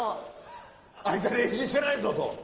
「あいつは練習してないぞ！」と。